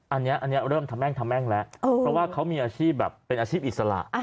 อันนี้เริ่มทำแม่งทำแม่งแล้วเพราะว่าเขามีอาชีพแบบเป็นอาชีพอิสระ